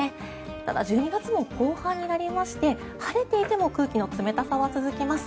ただ、１２月も後半になりまして晴れていても空気の冷たさは続きます。